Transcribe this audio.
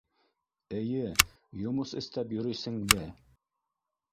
— Эйе, йомос эстәп йөрөйсеңбе?